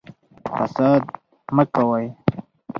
فساد مه کوئ